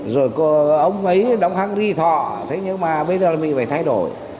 rồi ông ấy đóng hăng ri thọ thế nhưng mà bây giờ mình phải thay đổi